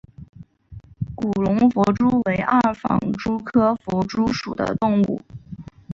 吉隆狒蛛为二纺蛛科狒蛛属的动物。